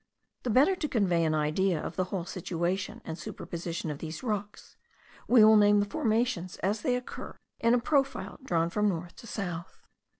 The better to convey an idea of the whole situation and superposition of these rocks, we will name the formations as they occur in a profile drawn from north to south.